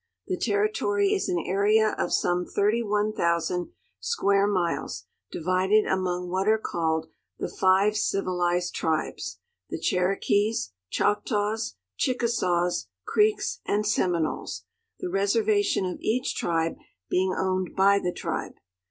The Territory is an area of some 31,000 square miles, divided among what are called the Five Civilized Tribes — the Cherokees, Choctaws, Chickasaws, Creeks, and Seminoles — the reservation of each tribe being owned by the tribe.